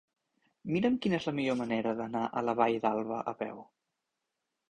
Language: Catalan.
Mira'm quina és la millor manera d'anar a la Vall d'Alba a peu.